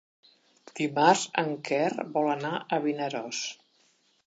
Dimarts en Quer vol anar a Vinaròs.